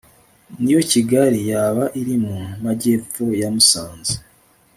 niyo kigali yaba iri mu majyepfo ya musanze